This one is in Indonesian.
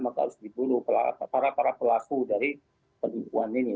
maka harus diburu para pelaku dari penipuan ini